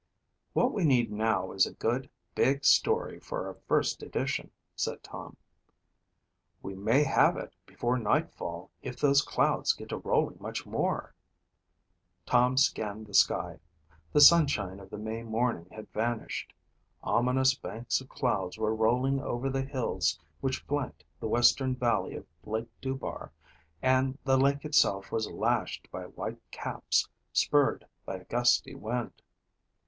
"What we need now is a good, big story for our first edition," said Tom. "We may have it before nightfall if those clouds get to rolling much more," said Helen. Tom scanned the sky. The sunshine of the May morning had vanished. Ominous banks of clouds were rolling over the hills which flanked the western valley of Lake Dubar and the lake itself was lashed by white caps, spurred by a gusty wind.